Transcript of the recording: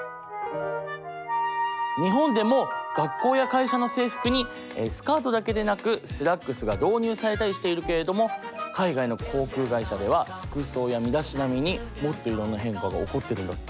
日本でも学校や会社の制服にスカートだけでなくスラックスが導入されたりしているけれども海外の航空会社では服装や身だしなみにもっといろんな変化が起こってるんだって。